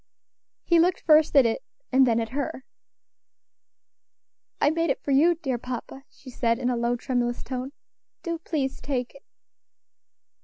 He looked first at it, and then at her. "I made it for you, dear papa," she said, in a low, tremulous tone; "do please take it."